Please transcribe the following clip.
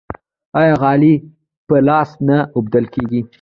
آیا غالۍ په لاس نه اوبدل کیږي؟